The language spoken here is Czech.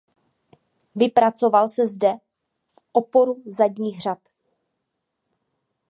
Vypracoval se zde v oporu zadních řad.